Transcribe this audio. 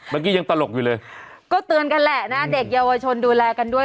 เมื่อกี้ยังตลกอยู่เลยก็เตือนกันแหละนะเด็กเยาวชนดูแลกันด้วย